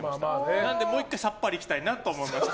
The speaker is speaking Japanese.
なのでもう１回さっぱりいきたいなと思いまして。